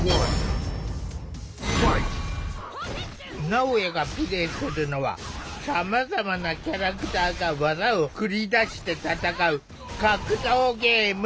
なおやがプレイするのはさまざまなキャラクターが技を繰り出して戦う格闘ゲーム。